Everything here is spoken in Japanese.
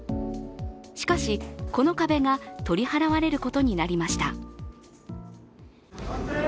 しかし、この壁が取り払われることになりました。